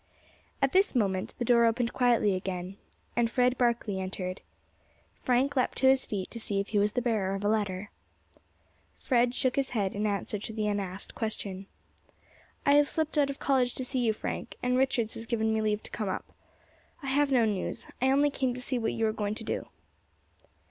At this moment the door opened quietly again, and Fred Barkley entered. Frank leapt to his feet to see if he was the bearer of a letter. Fred shook his head in answer to the unasked question. "I have slipped out of College to see you, Frank, and Richards has given me leave to come up. I have no news, I only came to see what you were going to do."